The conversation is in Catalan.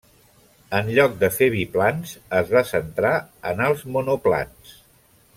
En lloc de fer biplans es va centrar en els monoplans.